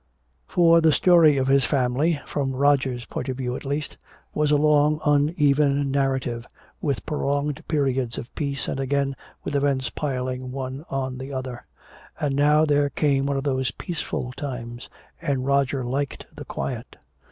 For the story of his family, from Roger's point of view at least, was a long uneven narrative, with prolonged periods of peace and again with events piling one on the other. And now there came one of those peaceful times, and Roger liked the quiet.